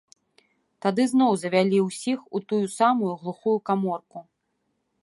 Тады зноў завялі ўсіх у тую самую глухую каморку.